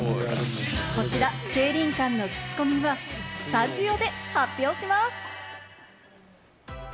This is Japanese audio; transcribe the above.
こちら聖林館のクチコミはスタジオで発表します。